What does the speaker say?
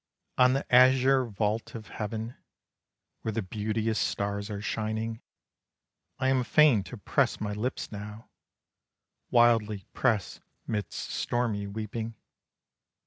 On the azure vault of heaven, Where the beauteous stars are shining, I am fain to press my lips now, Wildly press midst stormy weeping.